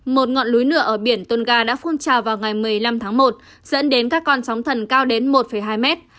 một ngọn núi nửa ở biển tonga đã phun trào vào ngày một mươi năm tháng một dẫn đến các con sóng thần cao đến một hai mét